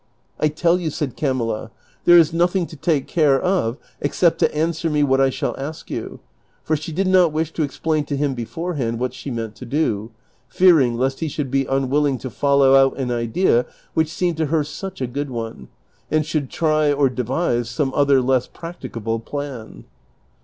" Iteil you," said Camilla, •' there is nothing to take care of except to answer me what I shall ask you :" for she did not wish to explain to him beforehand what she meant to do, fearing lest he should be unwilling to follow out an idea which seemed to her such a good one, and should try or devise some other less praetical)le plan.